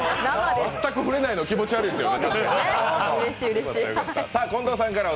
全く触れないの気持ち悪いですよね。